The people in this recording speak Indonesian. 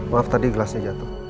maaf tadi gelasnya jatuh